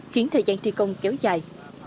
khiến thời gian thi công kéo dài